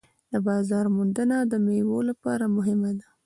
د بازار موندنه د میوو لپاره مهمه ده.